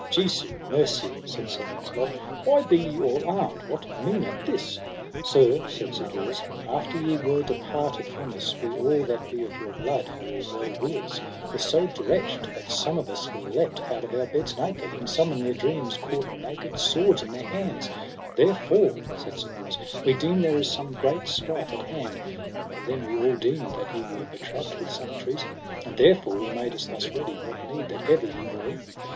Jesu mercy, said Sir Launcelot, why be ye all armed: what meaneth this? Sir, said Sir Bors, after ye were departed from us, we all that be of your blood and your well willers were so dretched that some of us leapt out of our beds naked, and some in their dreams caught naked swords in their hands; therefore, said Sir Bors, we deem there is some great strife at hand; and then we all deemed that ye were betrapped with some treason, and therefore we made us thus ready, what need that ever ye were in.